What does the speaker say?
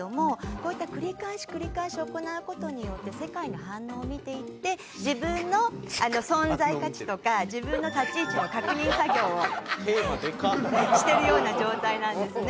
こういった繰り返し繰り返し行う事によって世界の反応を見ていって自分の存在価値とか自分の立ち位置の確認作業をしているような状態なんですね。